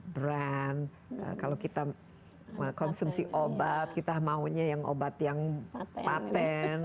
brand kalau kita konsumsi obat kita maunya yang obat yang patent